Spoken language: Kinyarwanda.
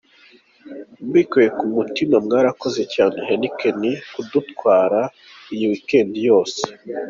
Mbikuye ku mutima mwarakoze cyane Heineken kudutwara iyi weekend yose.